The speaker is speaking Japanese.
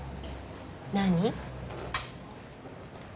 何？